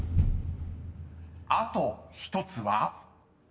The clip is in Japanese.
［あと１つは？］